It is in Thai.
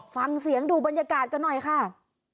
ฟังเสียงดูบรรยากาศกันหน่อยค่ะ